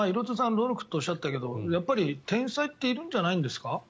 努力っておっしゃったけどやっぱり天才っているんじゃないですか？